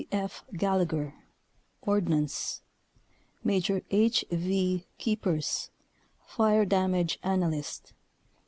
T. F. Gallagher Ordnance. Maj. H. V. Keepers Fire damage analyst.